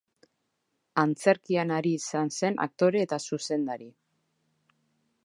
Antzerkian ari izan zen aktore eta zuzendari.